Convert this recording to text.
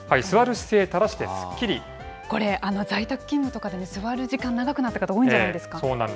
これ、在宅勤務とかで座る時間長くなった方多いんじゃないですか？